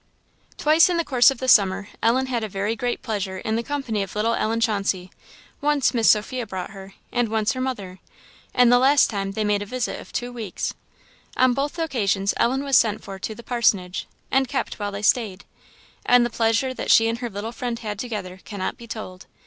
Twice in the course of the summer Ellen had a very great pleasure in the company of little Ellen Chauncey. Once Miss Sophia brought her, and once her mother; and the last time they made a visit of two weeks. On both occasions Ellen was sent for to the parsonage, and kept while they stayed; and the pleasure that she and her little friend had together cannot be told.